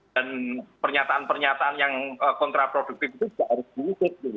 dan pernyataan pernyataan yang kontraproduktif itu tidak harus dihukum